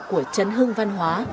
của trấn hương văn hóa